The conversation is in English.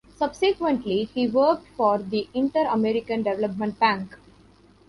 Subsequently, he worked for the Inter-American Development Bank.